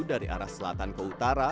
dari arah selatan ke utara